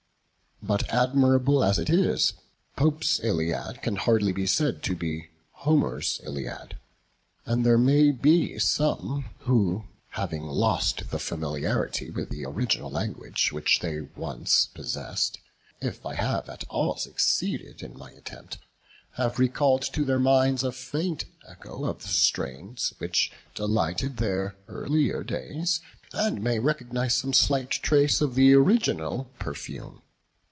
But, admirable as it is, Pope's Iliad can hardly be said to be Homer's Iliad; and there may be some who, having lost the familiarity with the original language which they once possessed, may, if I have at all succeeded in my attempt, have recalled to their minds a faint echo of the strains which delighted their earlier days, and may recognize some slight trace of the original perfume.